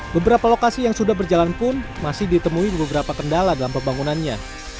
beberapa lokasi yang sudah berjalan pun masih ditemui beberapa kendala dalam pembangunannya